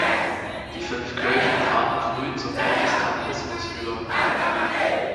Die Fünfkirchen traten früh zum Protestantismus über.